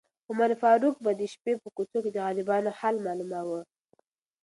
عمر فاروق به د شپې په کوڅو کې د غریبانو حال معلوماوه.